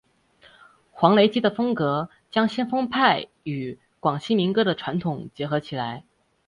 黄雷基的风格将先锋派与广西民歌的传统结合起来。